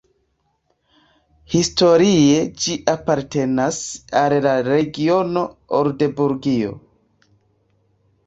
Historie ĝi apartenas al la regiono Oldenburgio.